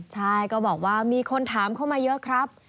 ใช่ก็บอกว่ามีคนถามเข้ามาเยอะครับ